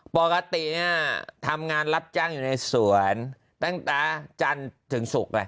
ปกติเนี่ยทำงานรับจ้างอยู่ในสวนตั้งแต่จันทร์ถึงศุกร์เลย